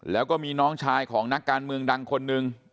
แล้วก็มีน้องชายของนักการเมืองดังคนหนึ่ง